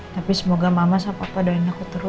tapi semoga mama sama papa doain aku terus